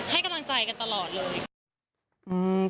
ให้กำลังใจกันตลอดเลย